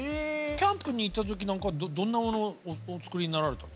キャンプに行った時なんかはどんなものをお作りになられた？